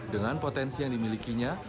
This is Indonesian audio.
dengan potensi yang dimilikinya